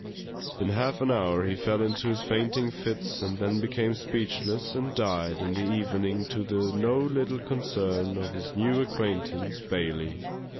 _ In half an hour he fell into fainting fits, and then became speechless, and died in the evening, to the no little concern of his new acquaintance Bailey.